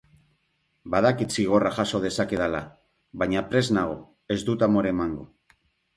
Badakit zigorra jaso dezakedala, baina prest nago, ez dut amore emango.